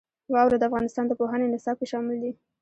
واوره د افغانستان د پوهنې نصاب کې شامل دي.